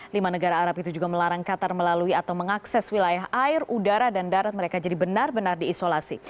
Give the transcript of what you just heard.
lima negara arab itu juga melarang qatar melalui atau mengakses wilayah air udara dan darat mereka jadi benar benar diisolasi